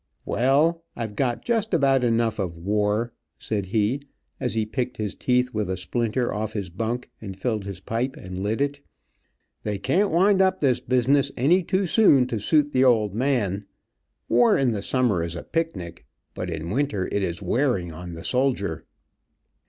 "Well, I've got just about enough of war," said he, as he picked his teeth with a splinter off his bunk, and filled his pipe and lit it. "They can't wind up this business any too soon to suit the old man. War in the summer is a picnic, but in winter it is wearin on the soldier."